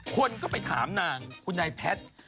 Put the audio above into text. คนก็ไปถามนางคุณนายแพทย์